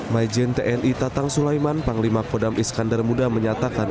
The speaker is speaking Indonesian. majen tni tatang sulaiman panglima kodam iskandar muda menyatakan